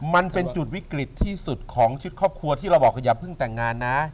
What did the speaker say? มันเป็นจุดวิกฤตที่สุดของชุดครอบครัวที่เราบอกว่าอย่าเพิ่งแต่งงานนะ